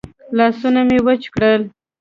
لاسونه مې وچ کړل.